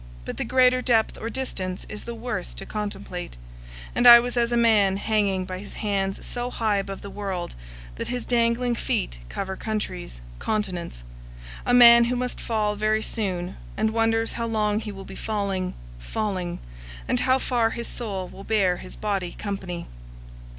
But the greater depth or distance is the worse to contemplate; and I was as a man hanging by his hands so high above the world, that his dangling feet cover countries, continents; a man who must fall very soon, and wonders how long he will be falling, falling; and how far his soul will bear his body company.